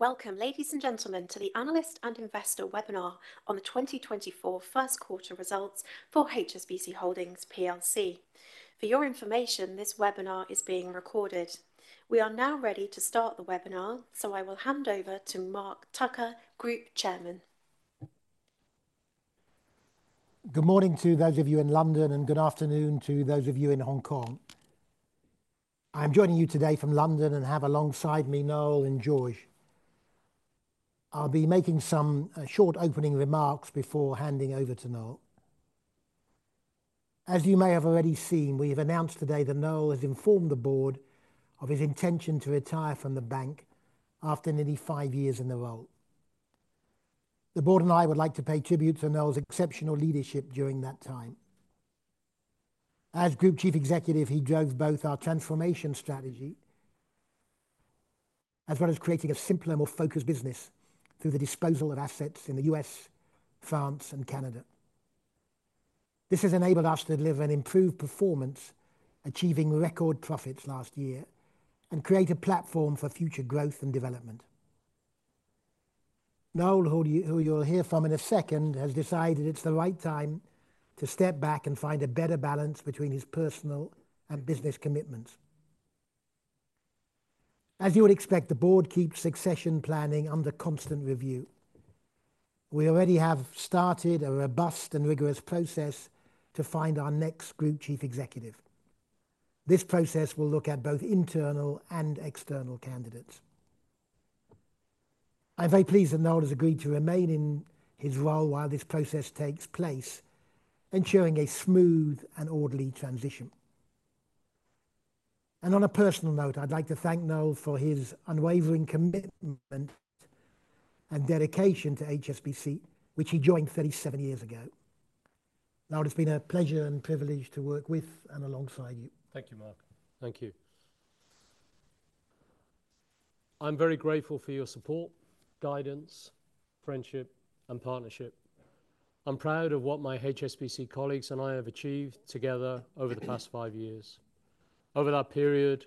Welcome, ladies and gentlemen, to the Analyst and Investor Webinar on the 2024 first quarter results for HSBC Holdings plc. For your information, this webinar is being recorded. We are now ready to start the webinar, so I will hand over to Mark Tucker, Group Chairman. Good morning to those of you in London, and good afternoon to those of you in Hong Kong. I'm joining you today from London and have alongside me, Noel and George. I'll be making some short opening remarks before handing over to Noel. As you may have already seen, we've announced today that Noel has informed the board of his intention to retire from the bank after nearly five years in the role. The board and I would like to pay tribute to Noel's exceptional leadership during that time. As Group Chief Executive, he drove both our transformation strategy, as well as creating a simpler and more focused business through the disposal of assets in the US, France, and Canada. This has enabled us to deliver an improved performance, achieving record profits last year, and create a platform for future growth and development. Noel, who you'll hear from in a second, has decided it's the right time to step back and find a better balance between his personal and business commitments. As you would expect, the board keeps succession planning under constant review. We already have started a robust and rigorous process to find our next Group Chief Executive. This process will look at both internal and external candidates. I'm very pleased that Noel has agreed to remain in his role while this process takes place, ensuring a smooth and orderly transition. On a personal note, I'd like to thank Noel for his unwavering commitment and dedication to HSBC, which he joined 37 years ago. Noel, it's been a pleasure and privilege to work with and alongside you. Thank you, Mark. Thank you. I'm very grateful for your support, guidance, friendship, and partnership. I'm proud of what my HSBC colleagues and I have achieved together over the past 5 years. Over that period,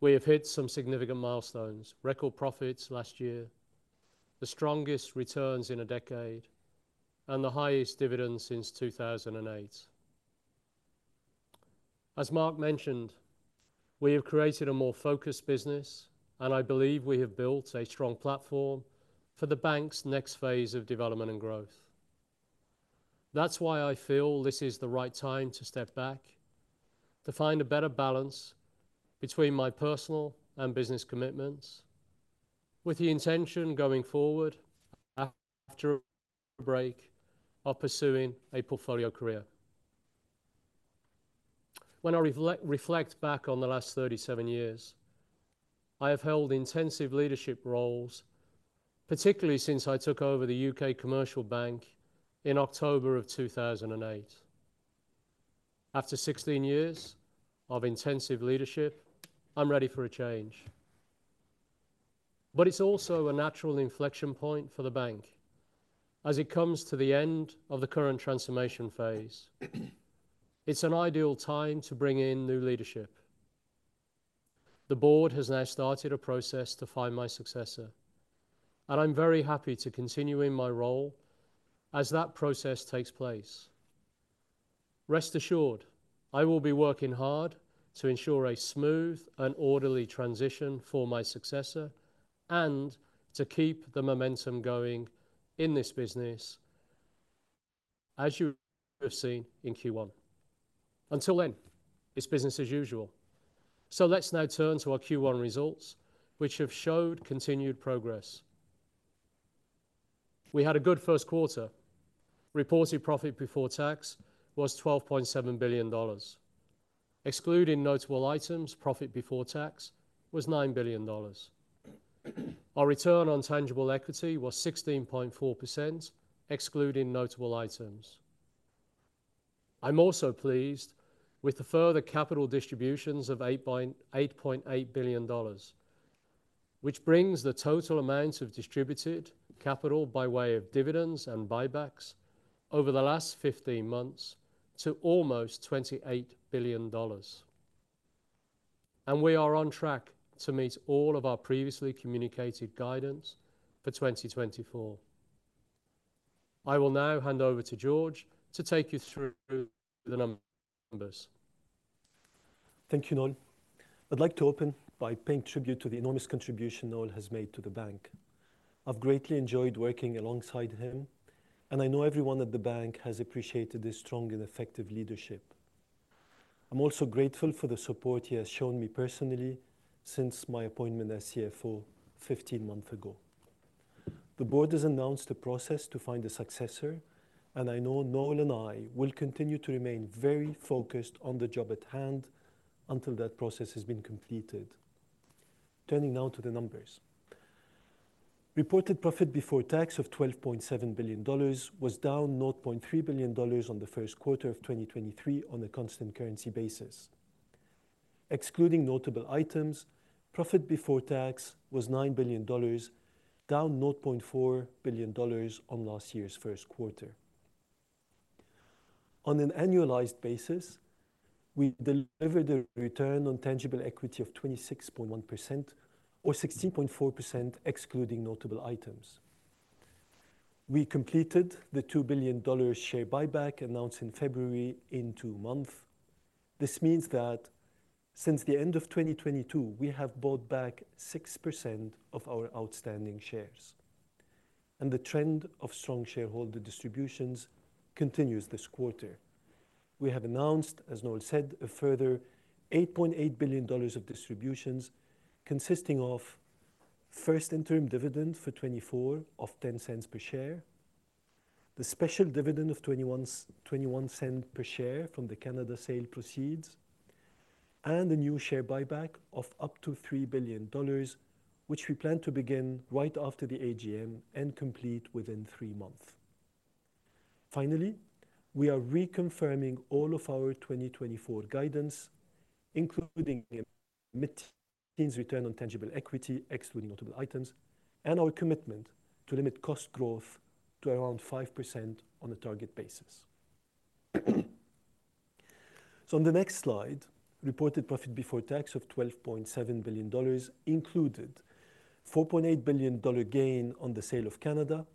we have hit some significant milestones: record profits last year, the strongest returns in a decade, and the highest dividend since 2008. As Mark mentioned, we have created a more focused business, and I believe we have built a strong platform for the bank's next phase of development and growth. That's why I feel this is the right time to step back, to find a better balance between my personal and business commitments, with the intention going forward, after a break, of pursuing a portfolio career. When I reflect back on the last 37 years, I have held intensive leadership roles, particularly since I took over the UK Commercial Bank in October 2008. After 16 years of intensive leadership, I'm ready for a change. But it's also a natural inflection point for the bank as it comes to the end of the current transformation phase. It's an ideal time to bring in new leadership. The board has now started a process to find my successor, and I'm very happy to continue in my role as that process takes place. Rest assured, I will be working hard to ensure a smooth and orderly transition for my successor and to keep the momentum going in this business, as you have seen in Q1. Until then, it's business as usual. So let's now turn to our Q1 results, which have showed continued progress. We had a good first quarter. Reported profit before tax was $12.7 billion. Excluding notable items, profit before tax was $9 billion. Our return on tangible equity was 16.4%, excluding notable items. I'm also pleased with the further capital distributions of $8.8 billion, which brings the total amount of distributed capital by way of dividends and buybacks over the last 15 months to almost $28 billion. And we are on track to meet all of our previously communicated guidance for 2024. I will now hand over to George to take you through the numbers, numbers. Thank you, Noel. I'd like to open by paying tribute to the enormous contribution Noel has made to the bank. I've greatly enjoyed working alongside him, and I know everyone at the bank has appreciated his strong and effective leadership. I'm also grateful for the support he has shown me personally since my appointment as CFO 15 months ago. The board has announced a process to find a successor, and I know Noel and I will continue to remain very focused on the job at hand until that process has been completed. Turning now to the numbers. Reported profit before tax of $12.7 billion was down $0.3 billion on the first quarter of 2023 on a constant currency basis. Excluding notable items, profit before tax was $9 billion, down $0.4 billion on last year's first quarter. On an annualized basis, we delivered a return on tangible equity of 26.1% or 16.4%, excluding notable items. We completed the $2 billion share buyback announced in February in two months. This means that since the end of 2022, we have bought back 6% of our outstanding shares, and the trend of strong shareholder distributions continues this quarter. We have announced, as Noel said, a further $8.8 billion of distributions, consisting of first interim dividend for 2024 of $0.10 per share, the special dividend of $0.21 per share from the Canada sale proceeds, and a new share buyback of up to $3 billion, which we plan to begin right after the AGM and complete within three months. Finally, we are reconfirming all of our 2024 guidance, including mid-teens return on tangible equity, excluding notable items, and our commitment to limit cost growth to around 5% on a target basis. So on the next slide, reported profit before tax of $12.7 billion included a $4.8 billion gain on the sale of Canada,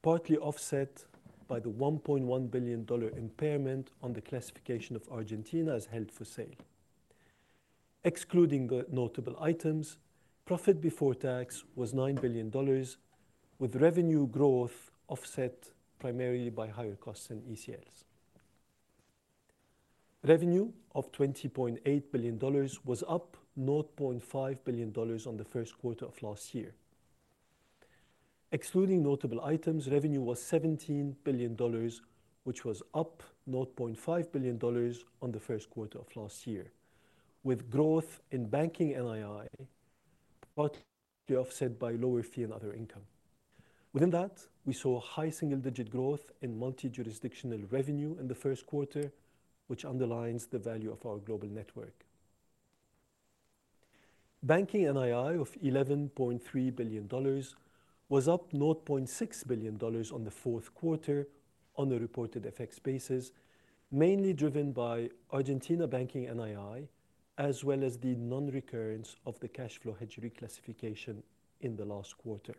partly offset by the $1.1 billion impairment on the classification of Argentina as held for sale. Excluding the notable items, profit before tax was $9 billion, with revenue growth offset primarily by higher costs and ECLs. Revenue of $20.8 billion was up $0.5 billion on the first quarter of last year. Excluding notable items, revenue was $17 billion, which was up $0.5 billion on the first quarter of last year, with growth in Banking NII, partly offset by lower fee and other income. Within that, we saw high single-digit growth in multi-jurisdictional revenue in the first quarter, which underlines the value of our global network. Banking NII of $11.3 billion was up $0.6 billion on the fourth quarter on a reported FX basis, mainly driven by Argentina Banking NII, as well as the non-recurrence of the cash flow hedge reclassification in the last quarter.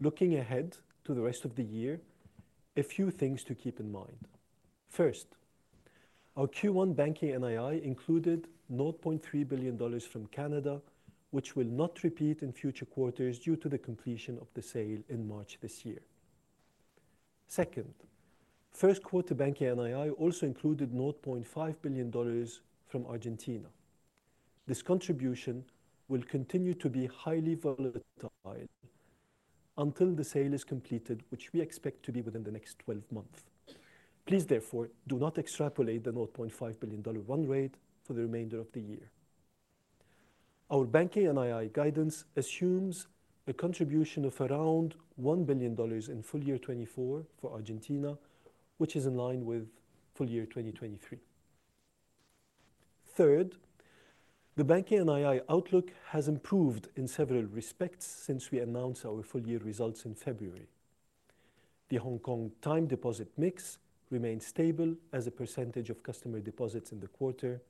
Looking ahead to the rest of the year, a few things to keep in mind. First, our Q1 Banking NII included $0.3 billion from Canada, which will not repeat in future quarters due to the completion of the sale in March this year. Second, first quarter Banking NII also included $0.5 billion from Argentina. This contribution will continue to be highly volatile until the sale is completed, which we expect to be within the next 12 months. Please, therefore, do not extrapolate the $0.5 billion dollar run rate for the remainder of the year. Our Banking NII guidance assumes a contribution of around $1 billion in full year 2024 for Argentina, which is in line with full year 2023. Third, the Banking NII outlook has improved in several respects since we announced our full-year results in February. The Hong Kong time deposit mix remained stable as a percentage of customer deposits in the quarter,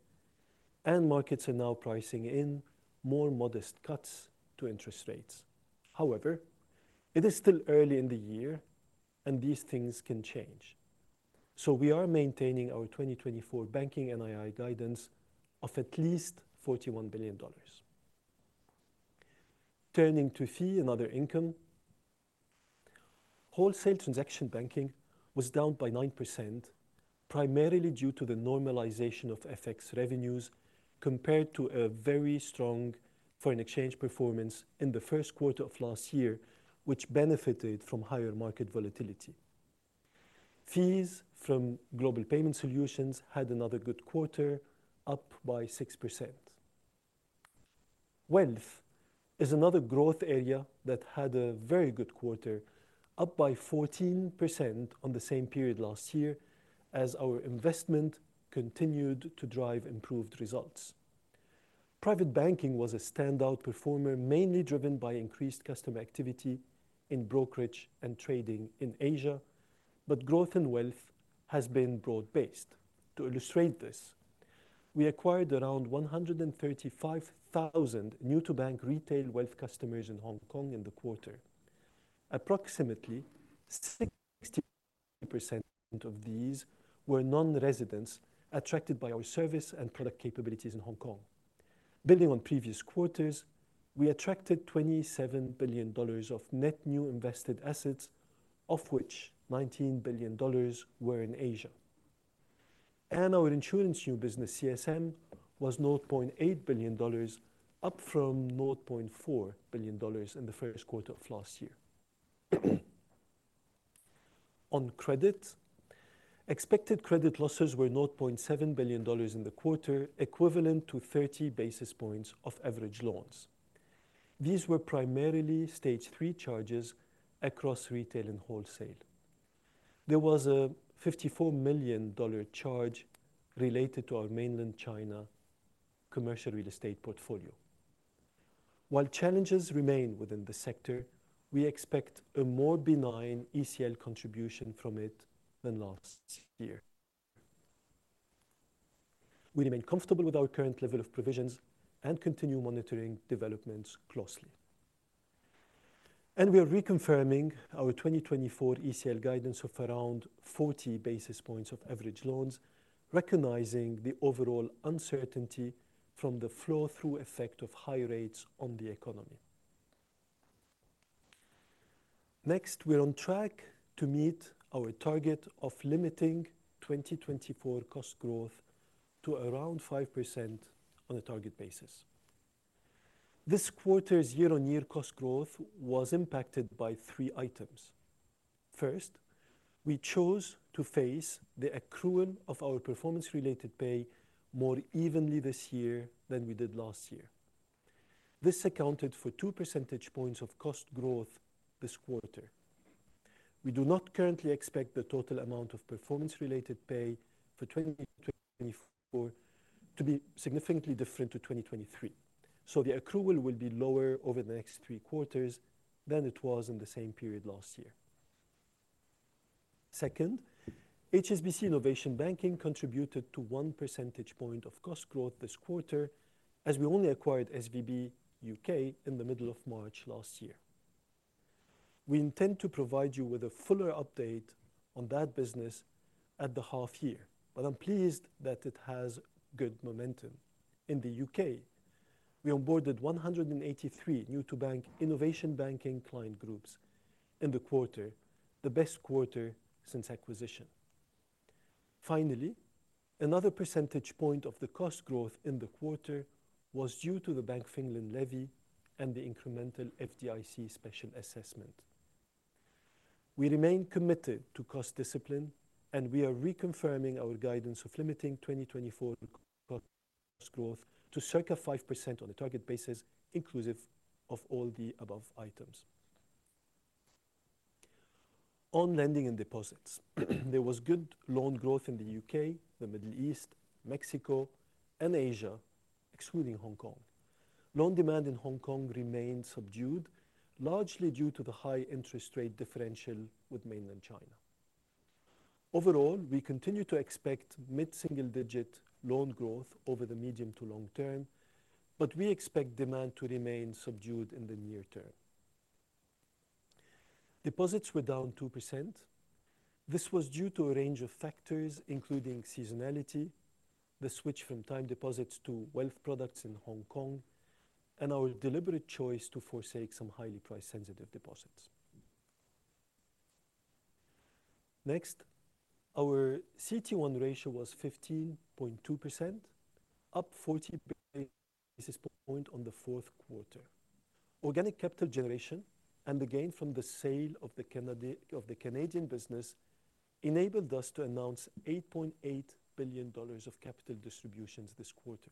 and markets are now pricing in more modest cuts to interest rates. However, it is still early in the year and these things can change, so we are maintaining our 2024 Banking NII guidance of at least $41 billion. Turning to fee and other income, wholesale transaction banking was down by 9%, primarily due to the normalization of FX revenues compared to a very strong foreign exchange performance in the first quarter of last year, which benefited from higher market volatility. Fees from Global Payment Solutions had another good quarter, up by 6%. Wealth is another growth area that had a very good quarter, up by 14% on the same period last year as our investment continued to drive improved results. Private banking was a standout performer, mainly driven by increased customer activity in brokerage and trading in Asia, but growth in wealth has been broad-based. To illustrate this, we acquired around 135,000 new-to-bank retail wealth customers in Hong Kong in the quarter. Approximately 60% of these were non-residents, attracted by our service and product capabilities in Hong Kong. Building on previous quarters, we attracted $27 billion of net new invested assets, of which $19 billion were in Asia. And our insurance new business CSM was $0.8 billion, up from $0.4 billion in the first quarter of last year. On credit, expected credit losses were $0.7 billion in the quarter, equivalent to 30 basis points of average loans. These were primarily Stage Three charges across retail and wholesale. There was a $54 million charge related to our Mainland China commercial real estate portfolio. While challenges remain within the sector, we expect a more benign ECL contribution from it than last year. We remain comfortable with our current level of provisions and continue monitoring developments closely. We are reconfirming our 2024 ECL guidance of around 40 basis points of average loans, recognizing the overall uncertainty from the flow-through effect of high rates on the economy. Next, we're on track to meet our target of limiting 2024 cost growth to around 5% on a target basis. This quarter's year-on-year cost growth was impacted by three items. First, we chose to pace the accrual of our performance-related pay more evenly this year than we did last year. This accounted for two percentage points of cost growth this quarter. We do not currently expect the total amount of performance-related pay for 2024 to be significantly different to 2023, so the accrual will be lower over the next three quarters than it was in the same period last year. Second, HSBC Innovation Banking contributed to one percentage point of cost growth this quarter, as we only acquired SVB UK in the middle of March last year. We intend to provide you with a fuller update on that business at the half year, but I'm pleased that it has good momentum. In the UK, we onboarded 183 new-to-bank innovation banking client groups in the quarter, the best quarter since acquisition. Finally, another percentage point of the cost growth in the quarter was due to the Bank of England Levy and the incremental FDIC special assessment. We remain committed to cost discipline, and we are reconfirming our guidance of limiting 2024 cost growth to circa 5% on a target basis, inclusive of all the above items. On lending and deposits, there was good loan growth in the UK, the Middle East, Mexico, and Asia, excluding Hong Kong. Loan demand in Hong Kong remained subdued, largely due to the high interest rate differential with Mainland China. Overall, we continue to expect mid-single-digit loan growth over the medium to long term, but we expect demand to remain subdued in the near term. Deposits were down 2%. This was due to a range of factors, including seasonality, the switch from time deposits to wealth products in Hong Kong, and our deliberate choice to forsake some highly price-sensitive deposits. Next, our CET1 ratio was 15.2%, up 40 basis points on the fourth quarter. Organic capital generation and the gain from the sale of the Canadian business enabled us to announce $8.8 billion of capital distributions this quarter.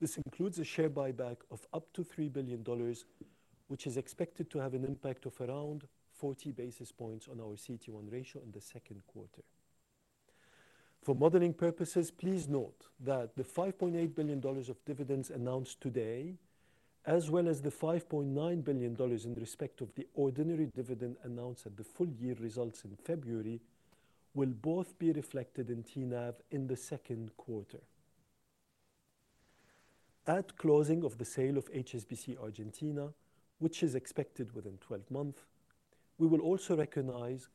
This includes a share buyback of up to $3 billion, which is expected to have an impact of around 40 basis points on our CET1 ratio in the second quarter. For modeling purposes, please note that the $5.8 billion of dividends announced today, as well as the $5.9 billion in respect of the ordinary dividend announced at the full year results in February, will both be reflected in TNAV in the second quarter. At closing of the sale of HSBC Argentina, which is expected within 12 months, we will also recognize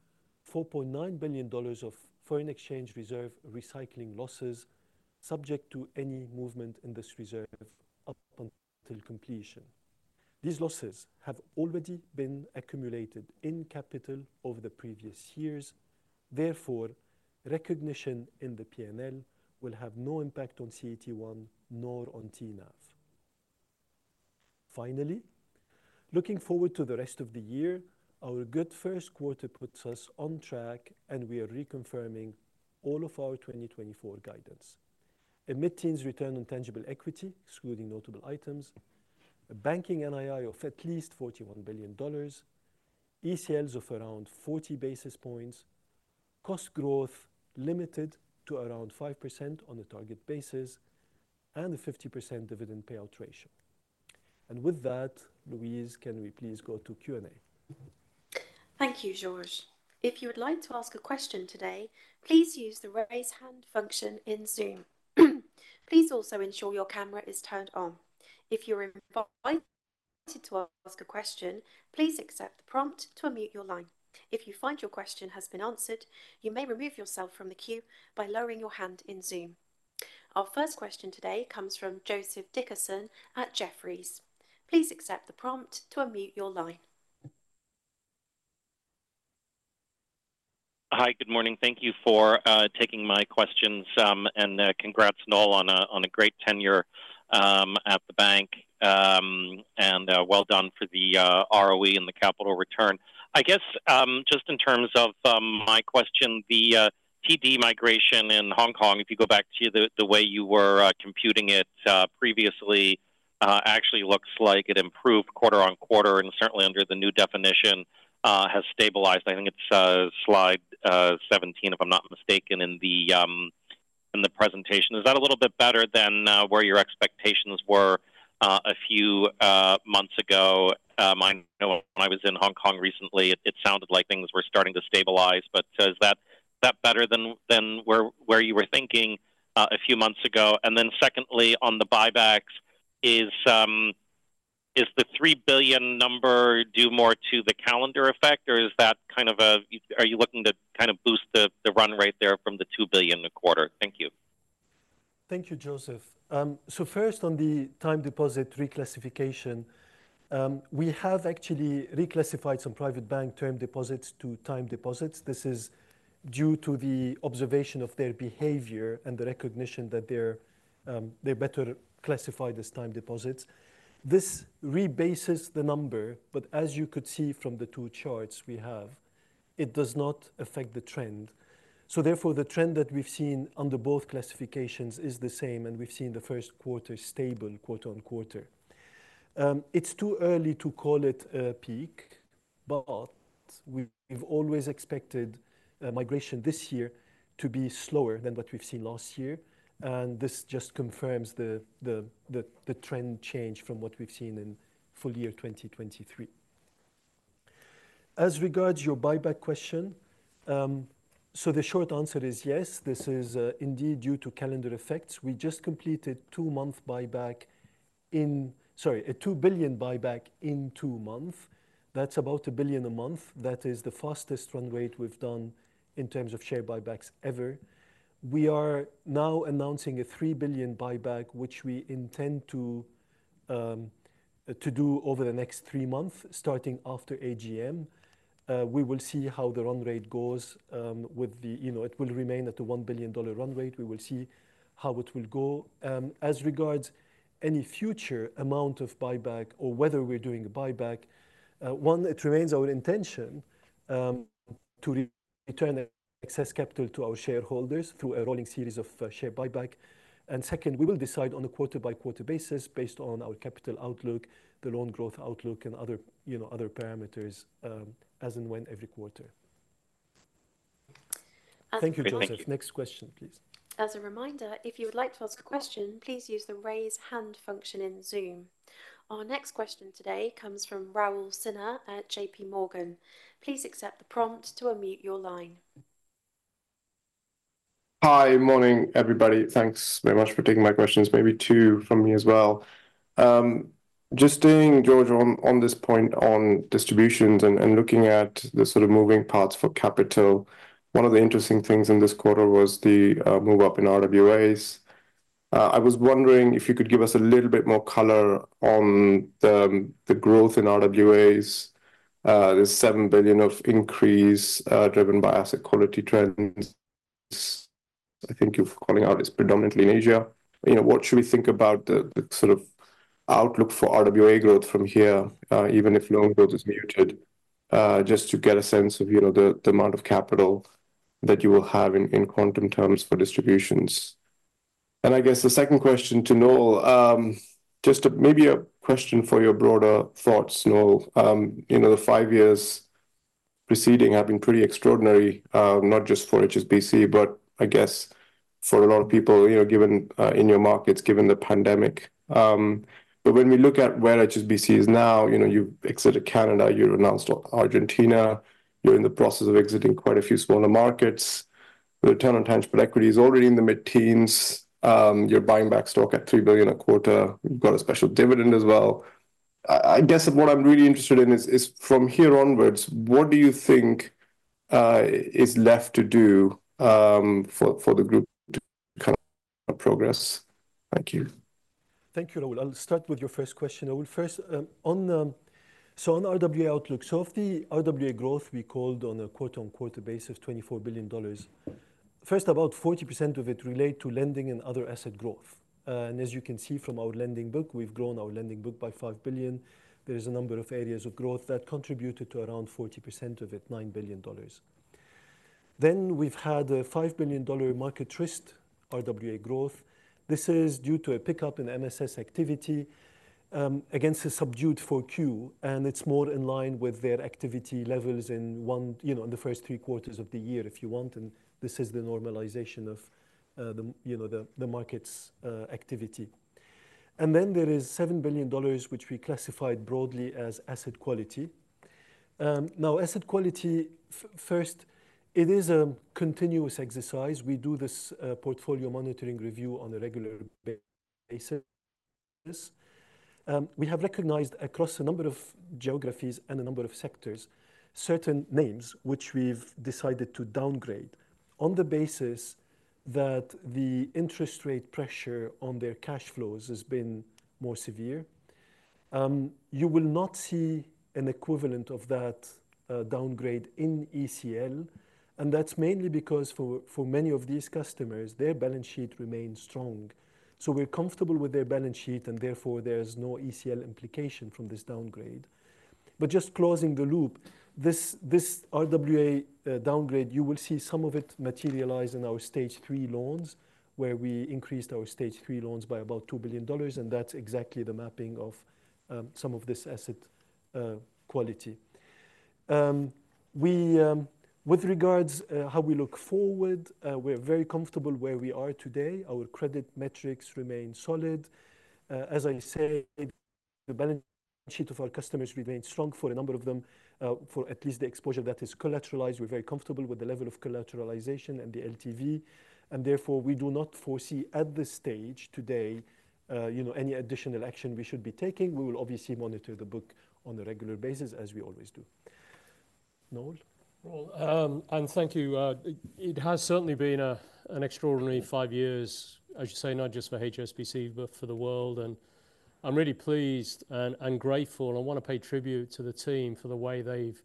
$4.9 billion of foreign exchange reserve recycling losses, subject to any movement in this reserve up until completion. These losses have already been accumulated in capital over the previous years. Therefore, recognition in the P&L will have no impact on CET1 nor on TNAV. Finally, looking forward to the rest of the year, our good first quarter puts us on track, and we are reconfirming all of our 2024 guidance. A mid-teens return on tangible equity, excluding notable items, a Banking NII of at least $41 billion, ECLs of around 40 basis points, cost growth limited to around 5% on a target basis, and a 50% dividend payout ratio. With that, Louise, can we please go to Q&A? Thank you, Georges. If you would like to ask a question today, please use the Raise Hand function in Zoom. Please also ensure your camera is turned on. If you're invited to ask a question, please accept the prompt to unmute your line. If you find your question has been answered, you may remove yourself from the queue by lowering your hand in Zoom. Our first question today comes from Joseph Dickerson at Jefferies. Please accept the prompt to unmute your line. Hi. Good morning. Thank you for taking my questions, and congrats, Noel, on a great tenure at the bank. And well done for the ROE and the capital return. I guess just in terms of my question, the TD migration in Hong Kong, if you go back to the way you were computing it previously, actually looks like it improved quarter-over-quarter, and certainly under the new definition has stabilized. I think it's slide 17, if I'm not mistaken, in the presentation. Is that a little bit better than where your expectations were a few months ago? I know when I was in Hong Kong recently, it sounded like things were starting to stabilize. So is that better than where you were thinking a few months ago? And then secondly, on the buybacks, is the $3 billion number due more to the calendar effect, or is that kind of Are you looking to kind of boost the run rate there from the $2 billion a quarter? Thank you. Thank you, Joseph. So first, on the time deposit reclassification, we have actually reclassified some Private Bank term deposits to time deposits. This is due to the observation of their behavior and the recognition that they're better classified as time deposits. This rebases the number, but as you could see from the two charts we have, it does not affect the trend. So therefore, the trend that we've seen under both classifications is the same, and we've seen the first quarter stable quarter-on-quarter. It's too early to call it a peak, but we've always expected migration this year to be slower than what we've seen last year, and this just confirms the trend change from what we've seen in full year 2023. As regards your buyback question, so the short answer is yes, this is indeed due to calendar effects. We just completed two-month buyback in... Sorry, a $2 billion buyback in two months. That's about $1 billion a month. That is the fastest run rate we've done in terms of share buybacks ever. We are now announcing a $3 billion buyback, which we intend to do over the next three months, starting after AGM. We will see how the run rate goes, with the-- You know, it will remain at a $1 billion run rate. We will see how it will go. As regards any future amount of buyback or whether we're doing a buyback, one, it remains our intention to re-return the excess capital to our shareholders through a rolling series of share buyback. Second, we will decide on a quarter-by-quarter basis, based on our capital outlook, the loan growth outlook, and other, you know, other parameters, as and when every quarter. As a reminder- Thank you, Joseph. Next question, please. As a reminder, if you would like to ask a question, please use the Raise Hand function in Zoom. Our next question today comes from Raul Sinha at J.P. Morgan. Please accept the prompt to unmute your line. Hi. Morning, everybody. Thanks very much for taking my questions. Maybe two from me as well. Just staying, George, on, on this point on distributions and, and looking at the sort of moving parts for capital, one of the interesting things in this quarter was the, move up in RWAs. I was wondering if you could give us a little bit more color on the, the growth in RWAs. There's a $7 billion increase, driven by asset quality trends. I think you're calling out it's predominantly in Asia. You know, what should we think about the, the sort of outlook for RWA growth from here, even if loan growth is muted? Just to get a sense of, you know, the, the amount of capital that you will have in, in quantum terms for distributions. I guess the second question to Noel, just maybe a question for your broader thoughts, Noel. You know, the five years preceding have been pretty extraordinary, not just for HSBC, but I guess for a lot of people, you know, given, in your markets, given the pandemic. When we look at where HSBC is now, you know, you've exited Canada, you've announced Argentina, you're in the process of exiting quite a few smaller markets. Return on tangible equity is already in the mid-teens. You're buying back stock at $3 billion a quarter. You've got a special dividend as well. I guess what I'm really interested in is, is from here onwards, what do you think, is left to do, for, for the group to kind of progress? Thank you. Thank you, Rahul. I'll start with your first question. I will first on the RWA outlook. So of the RWA growth we called on a quote-unquote basis, $24 billion, first, about 40% of it relate to lending and other asset growth. And as you can see from our lending book, we've grown our lending book by $5 billion. There is a number of areas of growth that contributed to around 40% of it, $9 billion. Then we've had a $5 billion market risk RWA growth. This is due to a pickup in MSS activity against a subdued Q4, and it's more in line with their activity levels in Q1, you know, in the first three quarters of the year, if you want, and this is the normalization of the, you know, the market's activity. And then there is $7 billion, which we classified broadly as asset quality. Now, asset quality, first, it is a continuous exercise. We do this portfolio monitoring review on a regular basis. We have recognized across a number of geographies and a number of sectors, certain names, which we've decided to downgrade on the basis that the interest rate pressure on their cash flows has been more severe. You will not see an equivalent of that downgrade in ECL, and that's mainly because for many of these customers, their balance sheet remains strong. So we're comfortable with their balance sheet, and therefore, there's no ECL implication from this downgrade. But just closing the loop, this RWA downgrade, you will see some of it materialize in our Stage three loans, where we increased our Stage three loans by about $2 billion, and that's exactly the mapping of some of this asset quality. With regards how we look forward, we're very comfortable where we are today. Our credit metrics remain solid. As I say, the balance sheet of our customers remains strong for a number of them, for at least the exposure that is collateralized. We're very comfortable with the level of collateralization and the LTV, and therefore, we do not foresee, at this stage today, you know, any additional action we should be taking. We will obviously monitor the book on a regular basis, as we always do. Noel? Well, and thank you. It has certainly been an extraordinary five years, as you say, not just for HSBC, but for the world. And I'm really pleased and grateful, and I wanna pay tribute to the team for the way they've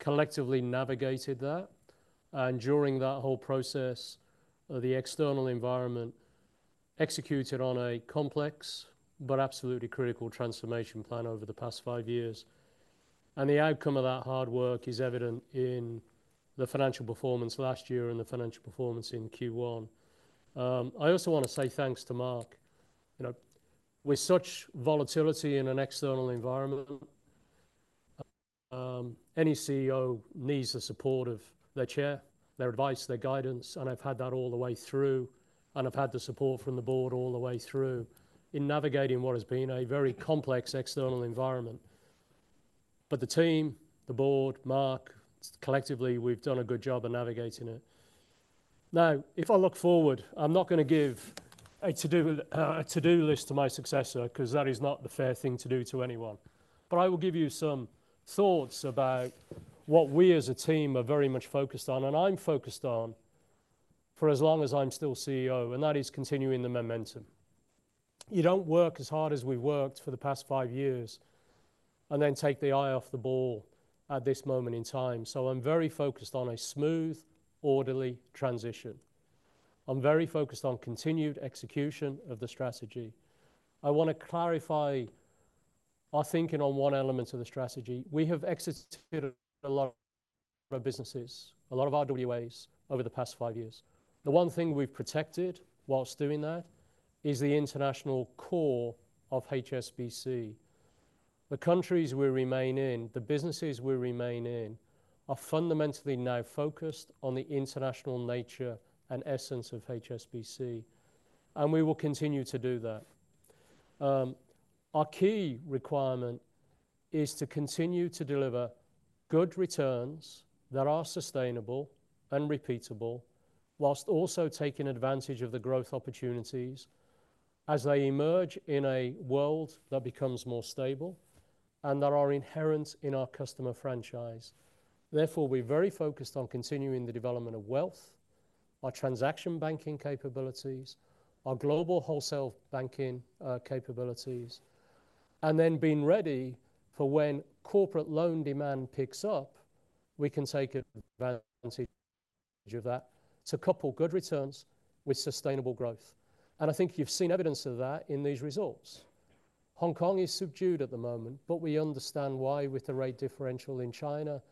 collectively navigated that. And during that whole process, the external environment executed on a complex but absolutely critical transformation plan over the past five years. And the outcome of that hard work is evident in the financial performance last year and the financial performance in Q1. I also wanna say thanks to Mark. You know, with such volatility in an external environment, any CEO needs the support of their chair, their advice, their guidance, and I've had that all the way through, and I've had the support from the board all the way through in navigating what has been a very complex external environment. But the team, the board, Mark, collectively, we've done a good job of navigating it. Now, if I look forward, I'm not gonna give a to-do, a to-do list to my successor, 'cause that is not the fair thing to do to anyone. But I will give you some thoughts about what we as a team are very much focused on, and I'm focused on for as long as I'm still CEO, and that is continuing the momentum. You don't work as hard as we've worked for the past five years, and then take the eye off the ball at this moment in time. I'm very focused on a smooth, orderly transition. I'm very focused on continued execution of the strategy. I wanna clarify our thinking on one element of the strategy. We have exited a lot of our businesses, a lot of our RWAs over the past five years. The one thing we've protected while doing that is the international core of HSBC. The countries we remain in, the businesses we remain in, are fundamentally now focused on the international nature and essence of HSBC, and we will continue to do that. Our key requirement is to continue to deliver good returns that are sustainable and repeatable, whilst also taking advantage of the growth opportunities as they emerge in a world that becomes more stable and that are inherent in our customer franchise. Therefore, we're very focused on continuing the development of wealth, our transaction banking capabilities, our global wholesale banking, capabilities, and then being ready for when corporate loan demand picks up, we can take advantage of that to couple good returns with sustainable growth. And I think you've seen evidence of that in these results. Hong Kong is subdued at the moment, but we understand why, with the rate differential in China.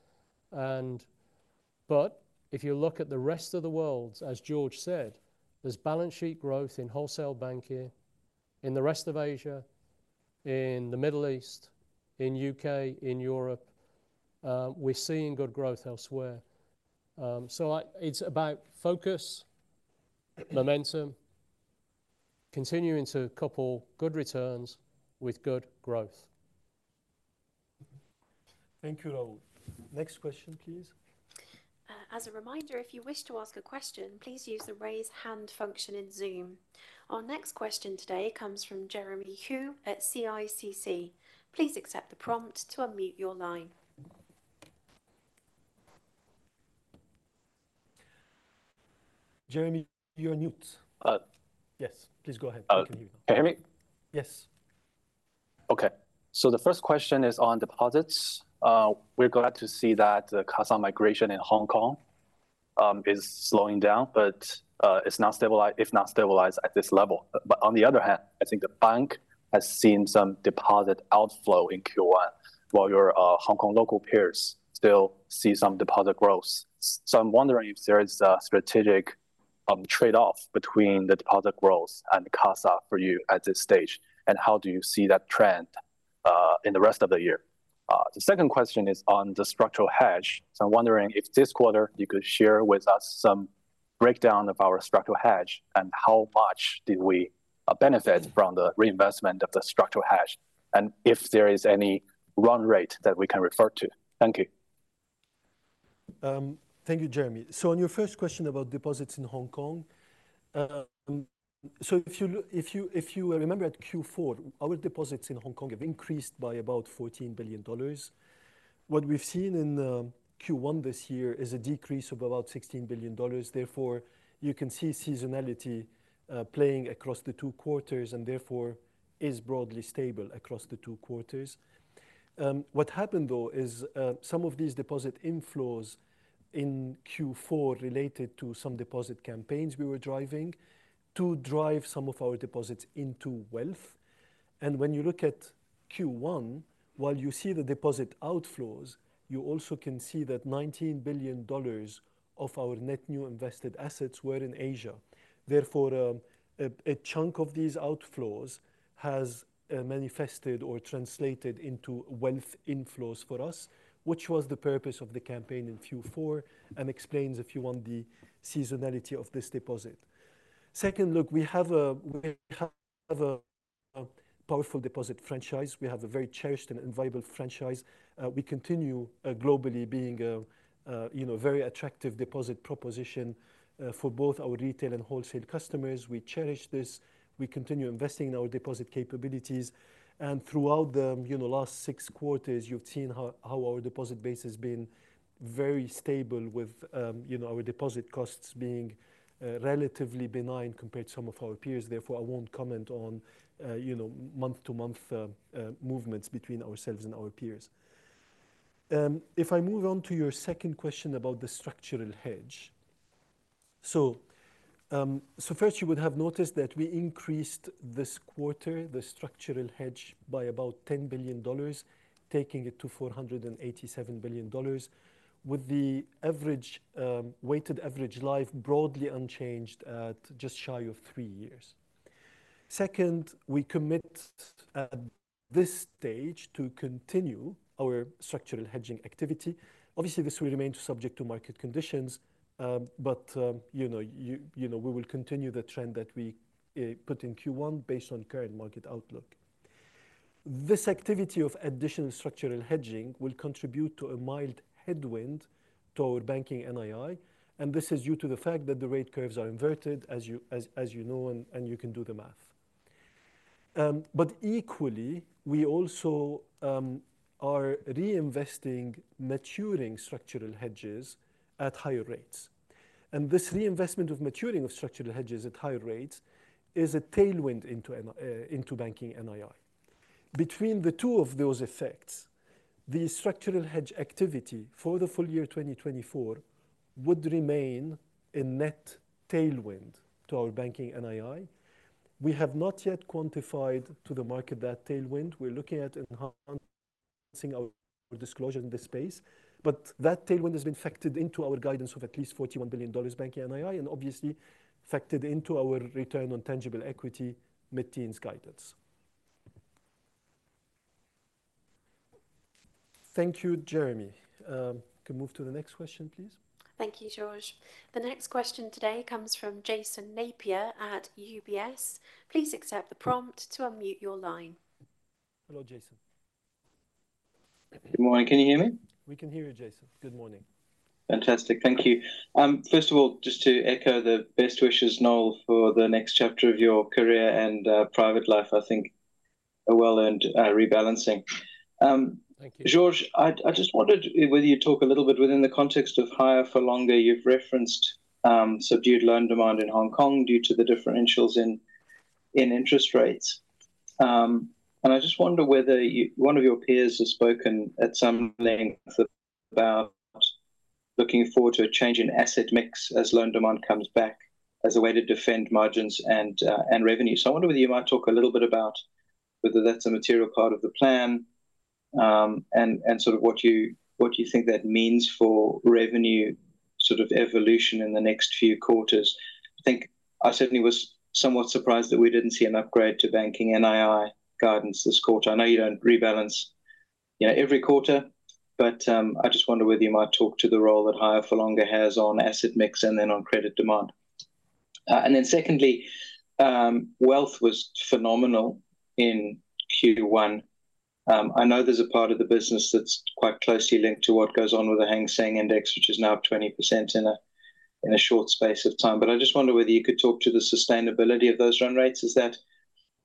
But if you look at the rest of the world, as George said, there's balance sheet growth in wholesale banking, in the rest of Asia, in the Middle East, in UK, in Europe. We're seeing good growth elsewhere. So it's about focus, momentum, continuing to couple good returns with good growth. Thank you, Noel. Next question, please. As a reminder, if you wish to ask a question, please use the Raise Hand function in Zoom. Our next question today comes from Jeremy Hou at CICC. Please accept the prompt to unmute your line. Jeremy, you're on mute. Uh- Yes, please go ahead. We can hear you. Can you hear me? Yes. Okay. So the first question is on deposits. We're glad to see that the CASA migration in Hong Kong is slowing down, but it's not stabilized at this level. But on the other hand, I think the bank has seen some deposit outflow in Q1, while your Hong Kong local peers still see some deposit growth. So I'm wondering if there is a strategic trade-off between the deposit growth and CASA for you at this stage, and how do you see that trend in the rest of the year? The second question is on the structural hedge. I'm wondering if this quarter you could share with us some breakdown of our structural hedge, and how much did we benefit from the reinvestment of the structural hedge, and if there is any run rate that we can refer to? Thank you. Thank you, Jeremy. So on your first question about deposits in Hong Kong, so if you remember at Q4, our deposits in Hong Kong have increased by about $14 billion. What we've seen in Q1 this year is a decrease of about $16 billion. Therefore, you can see seasonality playing across the two quarters, and therefore is broadly stable across the two quarters. What happened, though, is some of these deposit inflows in Q4 related to some deposit campaigns we were driving to drive some of our deposits into wealth. And when you look at Q1, while you see the deposit outflows, you also can see that $19 billion of our net new invested assets were in Asia. Therefore, a chunk of these outflows has manifested or translated into wealth inflows for us, which was the purpose of the campaign in Q4, and explains, if you want, the seasonality of this deposit. Second look, we have a powerful deposit franchise. We have a very cherished and viable franchise. We continue globally being a, you know, very attractive deposit proposition for both our retail and wholesale customers. We cherish this. We continue investing in our deposit capabilities, and throughout the last six quarters, you've seen how our deposit base has been very stable with our deposit costs being relatively benign compared to some of our peers. Therefore, I won't comment on month-to-month movements between ourselves and our peers. If I move on to your second question about the structural hedge. So, first, you would have noticed that we increased this quarter, the structural hedge, by about $10 billion, taking it to $487 billion, with the average weighted average life broadly unchanged at just shy of three years. Second, we commit, at this stage, to continue our structural hedging activity. Obviously, this will remain subject to market conditions, but, you know, you know, we will continue the trend that we put in Q1 based on current market outlook. This activity of additional structural hedging will contribute to a mild headwind toward Banking NII, and this is due to the fact that the rate curves are inverted, as you know, and you can do the math. But equally, we also are reinvesting maturing structural hedges at higher rates. And this reinvestment of maturing of structural hedges at higher rates is a tailwind into Banking NII. Between the two of those effects, the structural hedge activity for the full year 2024 would remain a net tailwind to our Banking NII. We have not yet quantified to the market that tailwind. We're looking at enhancing our disclosure in this space, but that tailwind has been factored into our guidance of at least $41 billion Banking NII, and obviously factored into our return on tangible equity mid-teens guidance. Thank you, Jeremy. Can we move to the next question, please? Thank you, Georges. The next question today comes from Jason Napier at UBS. Please accept the prompt to unmute your line. Hello, Jason. Good morning. Can you hear me? We can hear you, Jason. Good morning. Fantastic. Thank you. First of all, just to echo the best wishes, Noel, for the next chapter of your career and private life. I think a well-earned rebalancing. Thank you. Georges, I just wondered whether you'd talk a little bit within the context of higher for longer. You've referenced subdued loan demand in Hong Kong due to the differentials in interest rates. And I just wonder whether you—one of your peers has spoken at some length about looking forward to a change in asset mix as loan demand comes back, as a way to defend margins and revenue. So I wonder whether you might talk a little bit about whether that's a material part of the plan, and sort of what you think that means for revenue, sort of evolution in the next few quarters. I think I certainly was somewhat surprised that we didn't see an upgrade to Banking NII guidance this quarter. I know you don't rebalance, you know, every quarter, but I just wonder whether you might talk to the role that higher for longer has on asset mix and then on credit demand. And then secondly, wealth was phenomenal in Q1. I know there's a part of the business that's quite closely linked to what goes on with the Hang Seng Index, which is now up 20% in a short space of time. But I just wonder whether you could talk to the sustainability of those run rates. Is that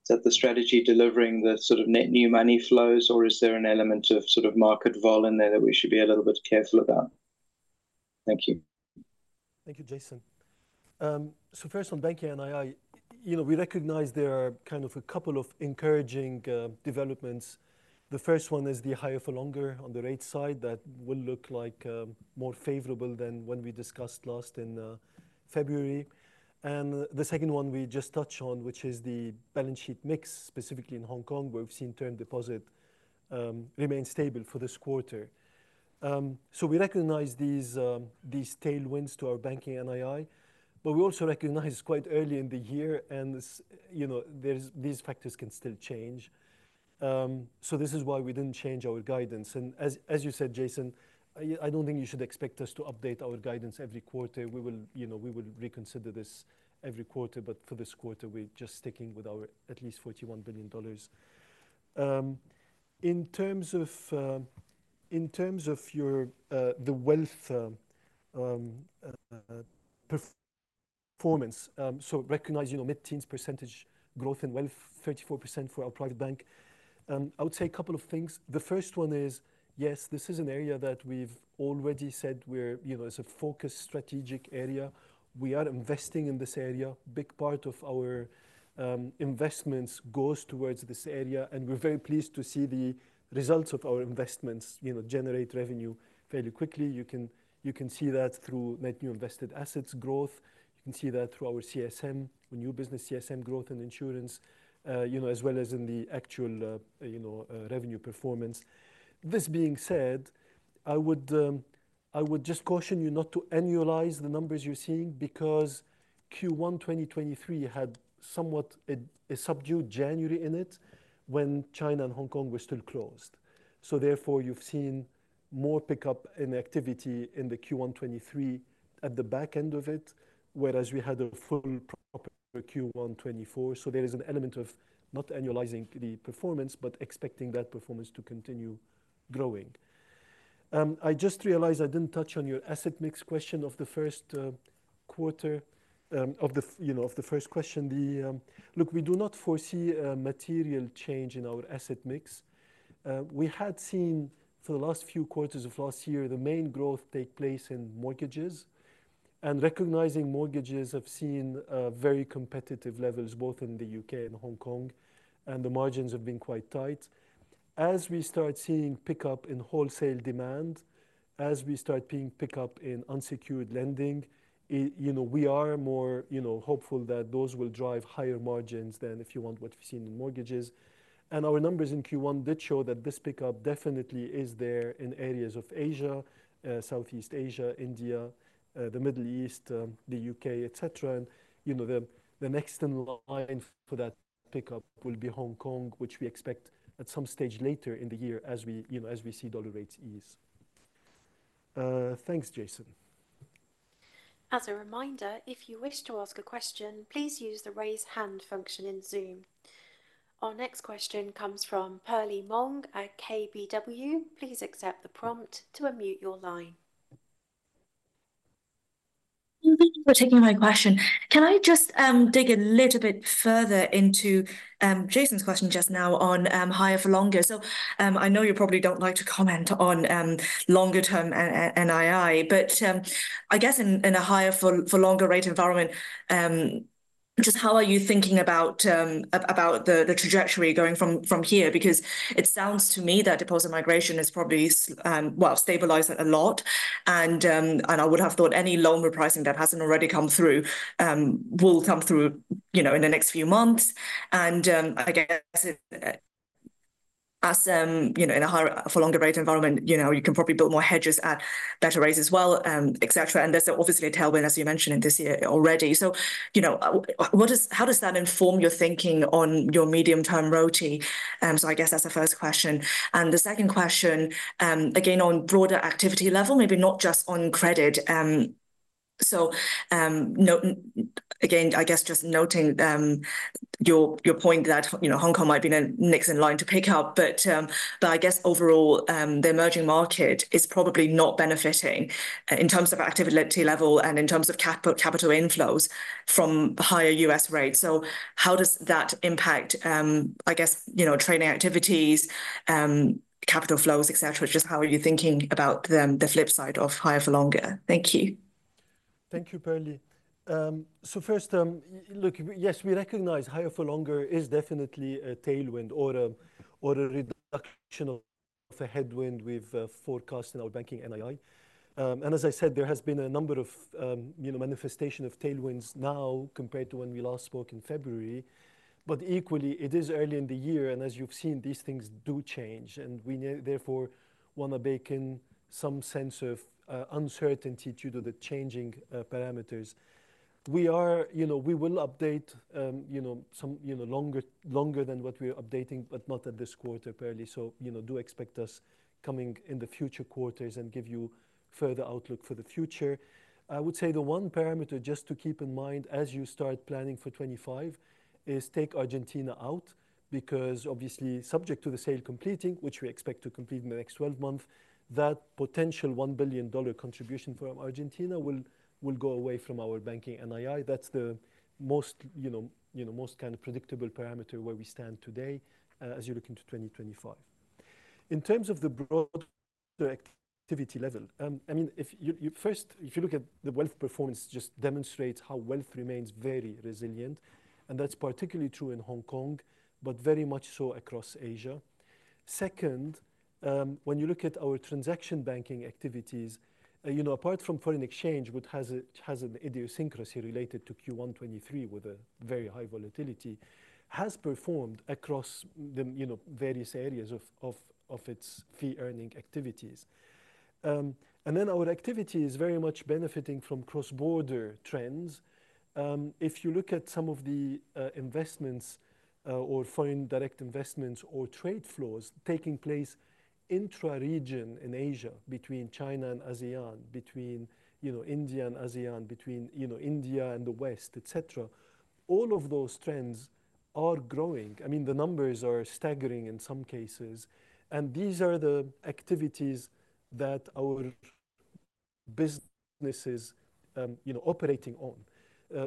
the strategy delivering the sort of net new money flows, or is there an element of sort of market vol in there that we should be a little bit careful about? Thank you. Thank you, Jason. So first on Banking NII, you know, we recognize there are kind of a couple of encouraging developments. The first one is the higher for longer on the rate side, that will look like more favorable than when we discussed last in February. And the second one we just touched on, which is the balance sheet mix, specifically in Hong Kong, where we've seen term deposit remain stable for this quarter. So we recognize these tailwinds to our Banking NII, but we also recognize quite early in the year, and this, you know, there's these factors can still change. So this is why we didn't change our guidance. And as you said, Jason, I don't think you should expect us to update our guidance every quarter. We will, you know, we will reconsider this every quarter, but for this quarter, we're just sticking with our at least $41 billion. In terms of your the wealth performance, so recognizing, you know, mid-teens percentage growth in wealth, 34% for our private bank, I would say a couple of things. The first one is, yes, this is an area that we've already said we're, you know, is a focused strategic area. We are investing in this area. Big part of our investments goes towards this area, and we're very pleased to see the results of our investments, you know, generate revenue fairly quickly. You can see that through net new invested assets growth. You can see that through our CSM, the new business CSM growth and insurance, you know, as well as in the actual, you know, revenue performance. This being said, I would I would just caution you not to annualize the numbers you're seeing, because Q1 2023 had somewhat a, a subdued January in it, when China and Hong Kong were still closed. So therefore, you've seen more pickup in activity in the Q1 2023 at the back end of it, whereas we had a full proper Q1 2024. So there is an element of not annualizing the performance, but expecting that performance to continue growing. I just realized I didn't touch on your asset mix question of the first quarter of the first question. Look, we do not foresee a material change in our asset mix. We had seen for the last few quarters of last year, the main growth take place in mortgages, and recognizing mortgages have seen very competitive levels, both in the UK and Hong Kong, and the margins have been quite tight. As we start seeing pickup in wholesale demand, as we start seeing pickup in unsecured lending, you know, we are more, you know, hopeful that those will drive higher margins than if you want what we've seen in mortgages. And our numbers in Q1 did show that this pickup definitely is there in areas of Asia, Southeast Asia, India, the Middle East, the UK, et cetera. You know, the next in line for that pickup will be Hong Kong, which we expect at some stage later in the year as we, you know, as we see dollar rates ease. Thanks, Jason. As a reminder, if you wish to ask a question, please use the Raise Hand function in Zoom. Our next question comes from Perlie Mong at KBW. Please accept the prompt to unmute your line. Thank you for taking my question. Can I just dig a little bit further into Jason's question just now on higher for longer? So, I know you probably don't like to comment on longer term NII, but I guess in a higher for longer rate environment, just how are you thinking about the trajectory going from here? Because it sounds to me that deposit migration is probably well stabilized a lot and I would have thought any loan repricing that hasn't already come through will come through, you know, in the next few months. And I guess, as you know, in a higher for longer rate environment, you know, you can probably build more hedges at better rates as well, et cetera. There's obviously a tailwind, as you mentioned, in this year already. So, you know, what does that inform your thinking on your medium-term ROTI? So I guess that's the first question. And the second question, again, on broader activity level, maybe not just on credit, so, note, again, I guess just noting, your point that, you know, Hong Kong might be the next in line to pick up. But, but I guess overall, the emerging market is probably not benefiting in terms of activity level and in terms of capital inflows from the higher U.S. rates. So how does that impact, I guess, you know, trading activities, capital flows, et cetera? Just how are you thinking about the flip side of higher for longer? Thank you. Thank you, Perlie. So first, look, yes, we recognize higher for longer is definitely a tailwind or a, or a reduction of a headwind we've forecast in our Banking NII. And as I said, there has been a number of, you know, manifestation of tailwinds now compared to when we last spoke in February, but equally, it is early in the year, and as you've seen, these things do change, and we therefore want to bake in some sense of uncertainty due to the changing parameters. We are, you know, we will update, you know, some, you know, longer, longer than what we are updating, but not at this quarter, Perlie. So, you know, do expect us coming in the future quarters and give you further outlook for the future. I would say the one parameter, just to keep in mind as you start planning for 2025, is take Argentina out, because obviously, subject to the sale completing, which we expect to complete in the next 12 months, that potential $1 billion contribution from Argentina will go away from our Banking NII. That's the most, you know, most kind of predictable parameter where we stand today, as you look into 2025. In terms of the broader activity level, I mean, first, if you look at the wealth performance, just demonstrates how wealth remains very resilient, and that's particularly true in Hong Kong, but very much so across Asia. Second, when you look at our transaction banking activities, you know, apart from foreign exchange, which has an idiosyncrasy related to Q1 2023, with a very high volatility, has performed across the, you know, various areas of its fee-earning activities. And then our activity is very much benefiting from cross-border trends. If you look at some of the investments, or foreign direct investments or trade flows taking place intra-region in Asia, between China and ASEAN, between, you know, India and ASEAN, between, you know, India and the West, et cetera, all of those trends are growing. I mean, the numbers are staggering in some cases, and these are the activities that our business is, you know, operating on.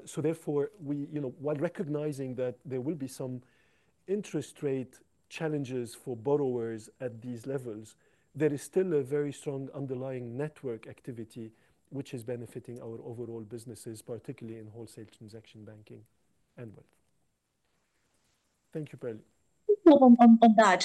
So therefore, we, you know, while recognizing that there will be some interest rate challenges for borrowers at these levels, there is still a very strong underlying network activity, which is benefiting our overall businesses, particularly in wholesale transaction banking and wealth. Thank you, Perlie. On that,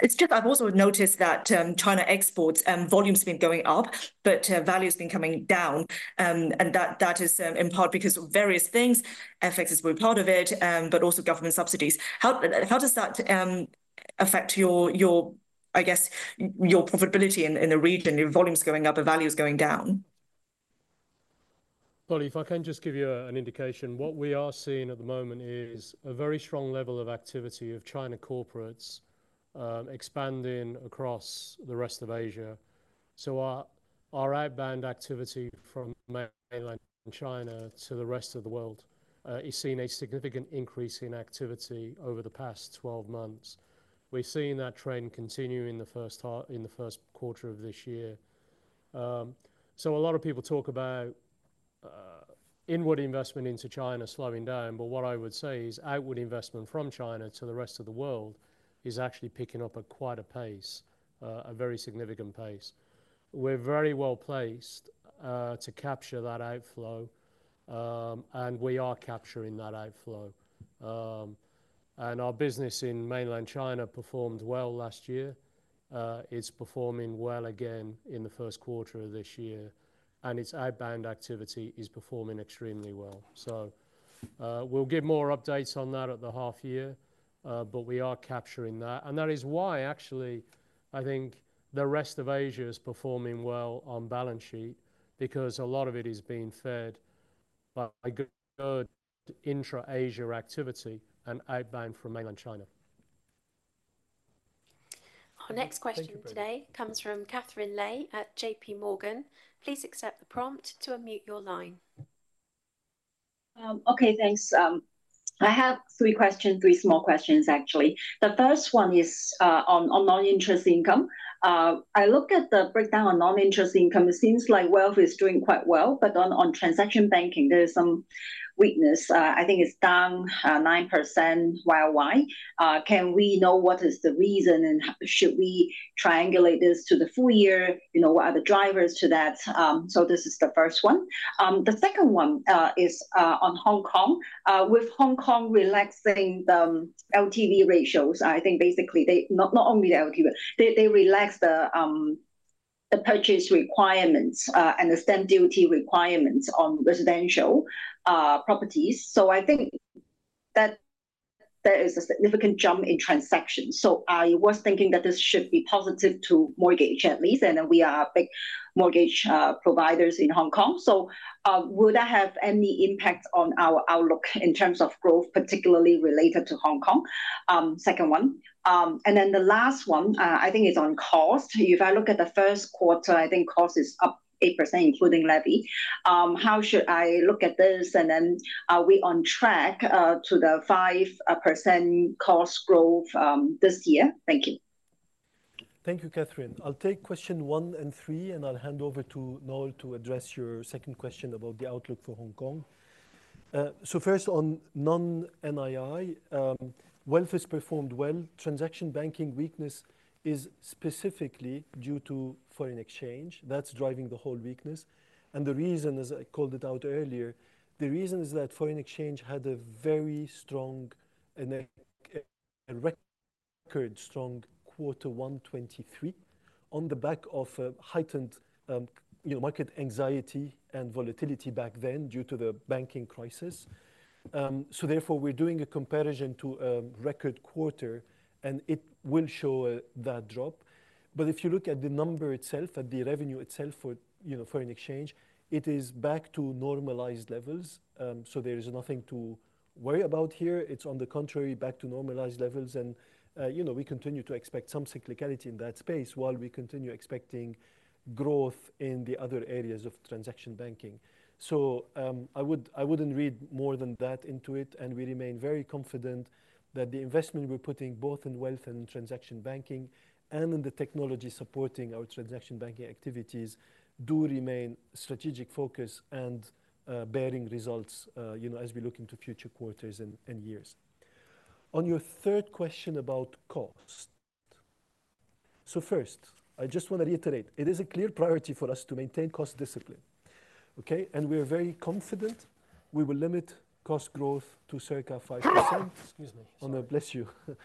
it's just I've also noticed that China exports volume's been going up, but value's been coming down, and that is in part because of various things. FX has been part of it, but also government subsidies. How does that affect your profitability in the region? Your volume's going up, but value is going down? Well, if I can just give you an indication, what we are seeing at the moment is a very strong level of activity of China corporates expanding across the rest of Asia. So our outbound activity from Mainland China to the rest of the world is seeing a significant increase in activity over the past 12 months. We're seeing that trend continue in the first quarter of this year. So a lot of people talk about inward investment into China slowing down, but what I would say is outward investment from China to the rest of the world is actually picking up at quite a pace, a very significant pace. We're very well placed to capture that outflow, and we are capturing that outflow. And our business in Mainland China performed well last year. It's performing well again in the first quarter of this year, and its outbound activity is performing extremely well. So, we'll give more updates on that at the half year, but we are capturing that. And that is why, actually, I think the rest of Asia is performing well on balance sheet, because a lot of it is being fed by good intra-Asia activity and outbound from Mainland China. Our next question- Thank you... today comes from Katherine Lei at JP Morgan. Please accept the prompt to unmute your line. Okay, thanks. I have three questions, three small questions, actually. The first one is on non-interest income. I look at the breakdown on non-interest income, it seems like wealth is doing quite well, but on transaction banking, there is some weakness. I think it's down 9% YoY. Can we know what is the reason, and should we triangulate this to the full year? You know, what are the drivers to that? So this is the first one. The second one is on Hong Kong. With Hong Kong relaxing the LTV ratios, I think basically they... not only the LTV, but they relaxed the purchase requirements and the stamp duty requirements on residential properties. So I think that there is a significant jump in transactions. So I was thinking that this should be positive to mortgage at least, and we are big mortgage providers in Hong Kong. So, would that have any impact on our outlook in terms of growth, particularly related to Hong Kong? Second one. And then the last one, I think is on cost. If I look at the first quarter, I think cost is up 8%, including levy. How should I look at this, and then are we on track to the 5% cost growth this year? Thank you. Thank you, Catherine. I'll take question one and three, and I'll hand over to Noel to address your second question about the outlook for Hong Kong. So first on non-NII, wealth has performed well. Transaction banking weakness is specifically due to foreign exchange. That's driving the whole weakness, and the reason, as I called it out earlier, the reason is that foreign exchange had a very strong and a record strong Q1 2023 on the back of a heightened, you know, market anxiety and volatility back then due to the banking crisis. So therefore, we're doing a comparison to a record quarter, and it will show that drop. But if you look at the number itself, at the revenue itself for, you know, foreign exchange, it is back to normalized levels. So there is nothing to worry about here. It's on the contrary, back to normalized levels and, you know, we continue to expect some cyclicality in that space, while we continue expecting growth in the other areas of transaction banking. So, I wouldn't read more than that into it, and we remain very confident that the investment we're putting both in wealth and in transaction banking and in the technology supporting our transaction banking activities do remain strategic focus and, you know, as we look into future quarters and years. On your third question about cost, so first, I just want to reiterate, it is a clear priority for us to maintain cost discipline. Okay? And we are very confident we will limit cost growth to circa 5%. Excuse me. Sorry. Oh, bless you. It's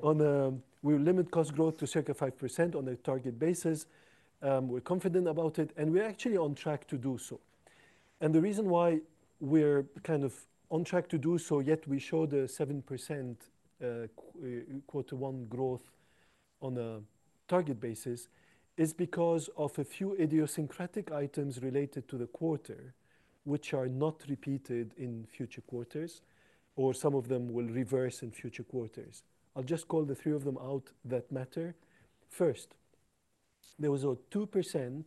all right. We'll limit cost growth to circa 5% on a target basis. We're confident about it, and we're actually on track to do so. And the reason why we're kind of on track to do so, yet we show the 7%, Q1 growth on a target basis, is because of a few idiosyncratic items related to the quarter, which are not repeated in future quarters, or some of them will reverse in future quarters. I'll just call the three of them out that matter. First, there was a 2%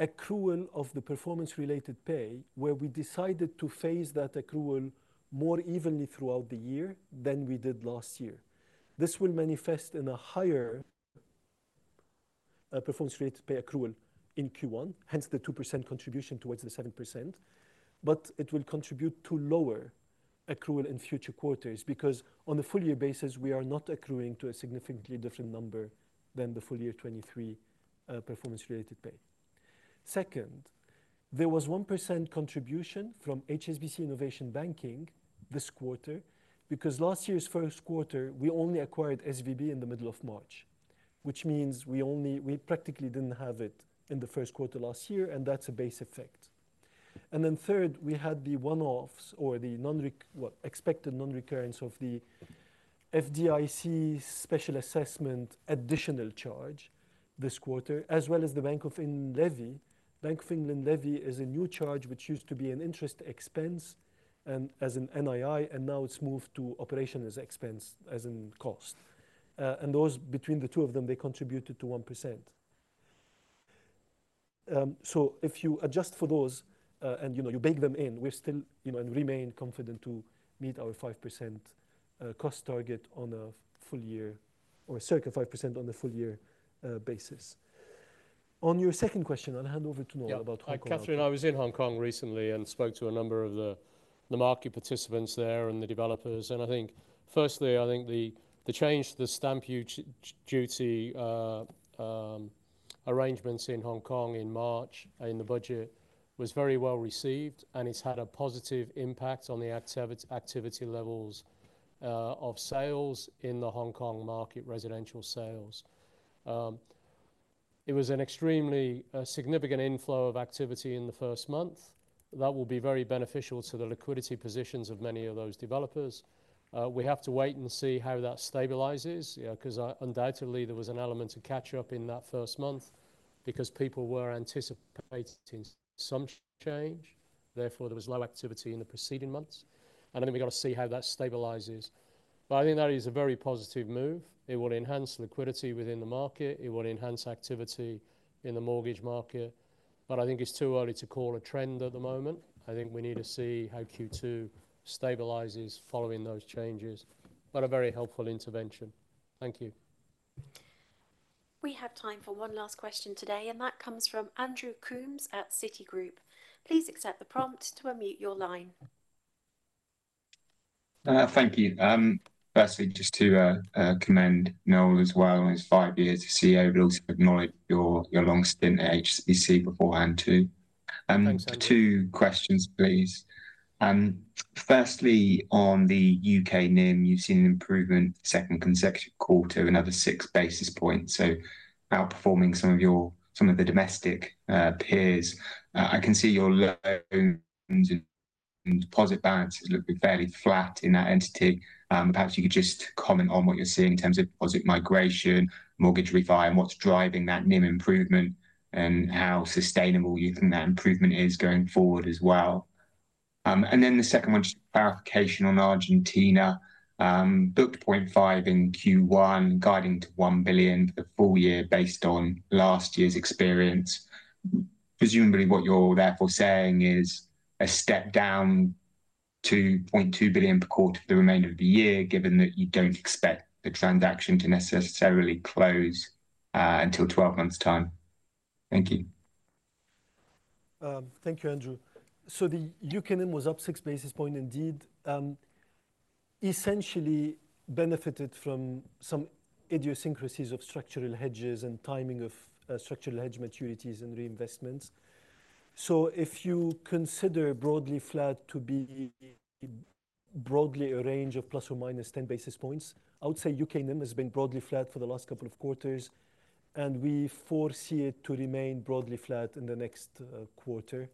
accrual of the performance-related pay, where we decided to phase that accrual more evenly throughout the year than we did last year. This will manifest in a higher performance-related pay accrual in Q1, hence the 2% contribution towards the 7%. But it will contribute to lower accrual in future quarters, because on a full year basis, we are not accruing to a significantly different number than the full year 2023, performance-related pay. Second, there was 1% contribution from HSBC Innovation Banking this quarter, because last year's first quarter, we only acquired SVB in the middle of March, which means we only-- we practically didn't have it in the first quarter last year, and that's a base effect.... And then third, we had the one-offs or the nonrec, well, expected nonrecurrence of the FDIC special assessment additional charge this quarter, as well as the Bank of England levy. Bank of England levy is a new charge, which used to be an interest expense, as an NII, and now it's moved to operational as expense as in cost. And those, between the two of them, they contributed to 1%. So if you adjust for those, and, you know, you bake them in, we're still, you know, and remain confident to meet our 5% cost target on a full year or circa 5% on the full year basis. On your second question, I'll hand over to Noel about Hong Kong. Yeah. Katherine, I was in Hong Kong recently and spoke to a number of the market participants there and the developers, and I think firstly, I think the change to the stamp duty arrangements in Hong Kong in March, in the budget, was very well received, and it's had a positive impact on the activity levels of sales in the Hong Kong market, residential sales. It was an extremely significant inflow of activity in the first month. That will be very beneficial to the liquidity positions of many of those developers. We have to wait and see how that stabilizes, 'cause undoubtedly there was an element of catch-up in that first month because people were anticipating some change, therefore, there was low activity in the preceding months. And then, we've got to see how that stabilizes. I think that is a very positive move. It will enhance liquidity within the market. It will enhance activity in the mortgage market, but I think it's too early to call a trend at the moment. I think we need to see how Q2 stabilizes following those changes. A very helpful intervention. Thank you. We have time for one last question today, and that comes from Andrew Coombs at Citigroup. Please accept the prompt to unmute your line. Thank you. Firstly, just to commend Noel as well in his five years as CEO, but also acknowledge your long stint at HSBC beforehand, too. Thanks, Andrew. Two questions, please. Firstly, on the UK NIM, you've seen an improvement second consecutive quarter, another six basis points, so outperforming some of the domestic peers. I can see your loans and deposit balances looking fairly flat in that entity. Perhaps you could just comment on what you're seeing in terms of deposit migration, mortgage refi, and what's driving that NIM improvement, and how sustainable you think that improvement is going forward as well. And then the second one, just clarification on Argentina. Booked $0.5 in Q1, guiding to $1 billion for the full year based on last year's experience. Presumably, what you're therefore saying is a step down to $0.2 billion per quarter the remainder of the year, given that you don't expect the transaction to necessarily close until 12 months' time. Thank you. Thank you, Andrew. So the UK NIM was up six basis points indeed, essentially benefited from some idiosyncrasies of structural hedges and timing of structural hedge maturities and reinvestments. So if you consider broadly flat to be broadly a range of ±10 basis points, I would say UK NIM has been broadly flat for the last couple of quarters, and we foresee it to remain broadly flat in the next quarter.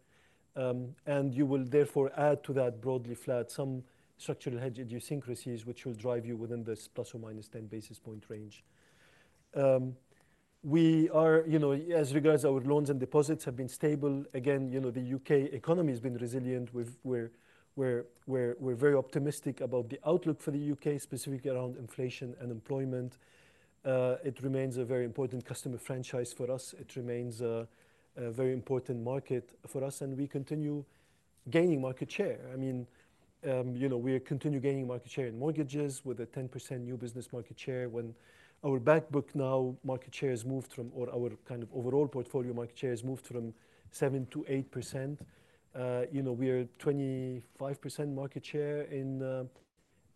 And you will therefore add to that broadly flat some structural hedge idiosyncrasies, which will drive you within this ±10 basis point range. We are, you know, as regards our loans and deposits have been stable. Again, you know, the UK economy has been resilient. We're very optimistic about the outlook for the UK, specifically around inflation and employment. It remains a very important customer franchise for us. It remains a very important market for us, and we continue gaining market share. I mean, you know, we are continue gaining market share in mortgages with a 10% new business market share. When our back book now, market share has moved from... or our kind of overall portfolio market share has moved from 7%-8%. You know, we are at 25% market share in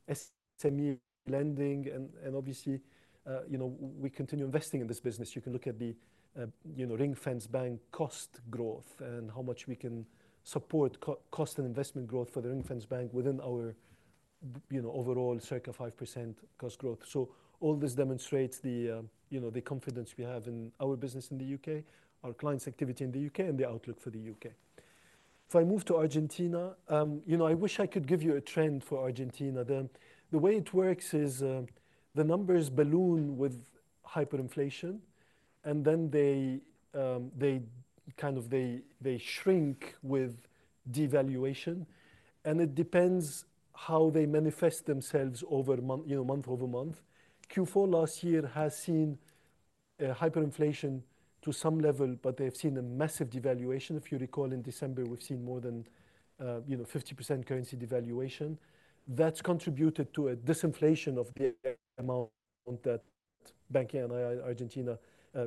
SME lending, and obviously, you know, we continue investing in this business. You can look at the ring-fenced bank cost growth and how much we can support cost and investment growth for the ring-fenced bank within our, you know, overall circa 5% cost growth. So all this demonstrates the, you know, the confidence we have in our business in the UK, our clients' activity in the UK, and the outlook for the UK. If I move to Argentina, you know, I wish I could give you a trend for Argentina. The way it works is, the numbers balloon with hyperinflation, and then they kind of shrink with devaluation, and it depends how they manifest themselves over month, you know, month-over-month. Q4 last year has seen hyperinflation to some level, but they've seen a massive devaluation. If you recall, in December, we've seen more than, you know, 50% currency devaluation. That's contributed to a disinflation of the amount that banking in Argentina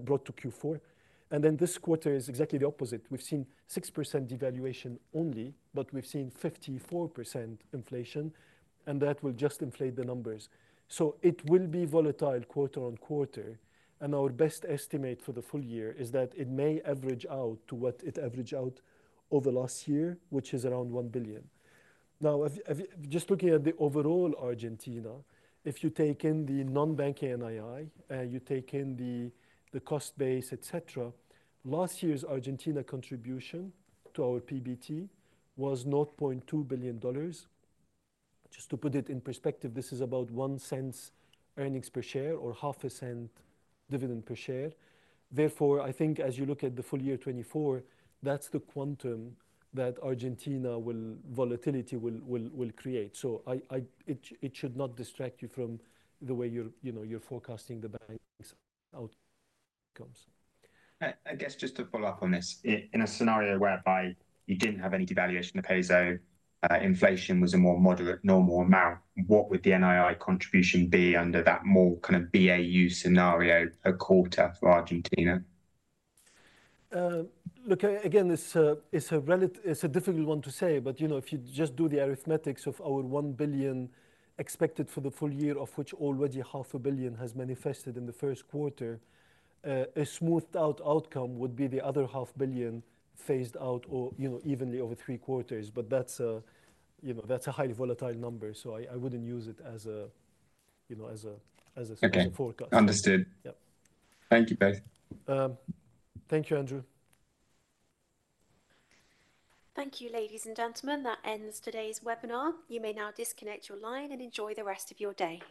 brought to Q4. And then, this quarter is exactly the opposite. We've seen 6% devaluation only, but we've seen 54% inflation, and that will just inflate the numbers. So it will be volatile quarter-on-quarter, and our best estimate for the full year is that it may average out to what it averaged out over last year, which is around $1 billion. Now, if just looking at the overall Argentina, if you take in the non-bank NII, and you take in the cost base, et cetera, last year's Argentina contribution to our PBT was $0.2 billion. Just to put it in perspective, this is about $0.01 earnings per share or $0.005 dividend per share. Therefore, I think as you look at the full year 2024, that's the quantum that Argentina's volatility will create. So it should not distract you from the way you're, you know, you're forecasting the bank's out outcomes. I guess just to follow up on this. In a scenario whereby you didn't have any devaluation of peso, inflation was a more moderate, normal amount, what would the NII contribution be under that more kind of BAU scenario a quarter for Argentina? Look, again, it's a relative... It's a difficult one to say, but, you know, if you just do the arithmetic of our $1 billion expected for the full year, of which already $500 million has manifested in the first quarter, a smoothed-out outcome would be the other $500 million phased out or, you know, evenly over three quarters. But that's, you know, a highly volatile number, so I wouldn't use it as a, you know, a forecast. Okay. Understood. Yeah. Thank you, both. Thank you, Andrew. Thank you, ladies and gentlemen. That ends today's webinar. You may now disconnect your line and enjoy the rest of your day.